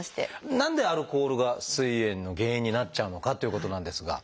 何でアルコールがすい炎の原因になっちゃうのかっていうことなんですが。